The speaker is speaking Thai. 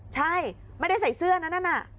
ใช่ไม่ได้ใส่เสื้อนั่น